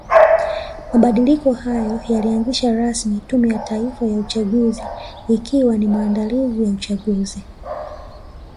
Mabadiliko hayo yalianzisha rasmi tume ya Taifa ya uchaguzi ikiwa ni maandalizi ya uchaguzi